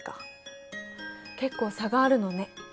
結構差があるのね。